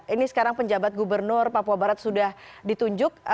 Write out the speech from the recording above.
ini sekarang penjabat gubernur papua barat sudah ditunjuk